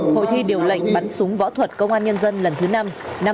hội thi điều lệnh bắn súng võ thuật công an nhân dân lần thứ năm năm hai nghìn hai mươi